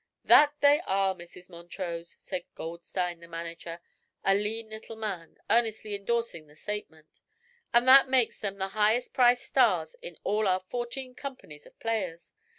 "That they are, Mrs. Montrose!" said Goldstein, the manager, a lean little man, earnestly endorsing the statement; "and that makes them the highest priced stars in all our fourteen companies of players.